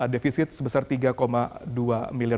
defisit sebesar tiga dua miliar